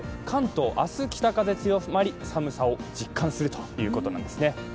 関東、明日北風強まり、寒さを実感するということなんですね。